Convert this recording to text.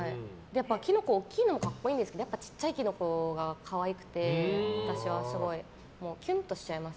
やっぱりキノコは大きいのが格好いいんですけどちっちゃいキノコが可愛くて私はすごいキュンとしちゃいます。